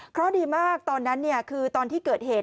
เพราะดีมากตอนนั้นคือตอนที่เกิดเหตุ